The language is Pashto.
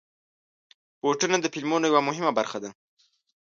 بوټونه د فلمونو یوه مهمه برخه ده.